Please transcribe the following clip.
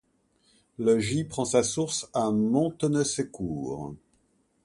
Le Gy prend sa source à Montenescourt.